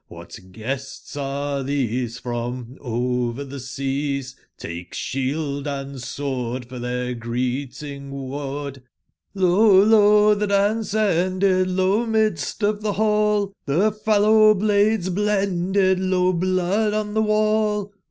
Cdbat guests are tbese from over tbe seas ? ^ake sbield and sword for tbeir greeting/word. Lo, lo, tbc dance ended t lo, midst of tbe ball Tbc fallow blades blended! lo, blood on tbe wall!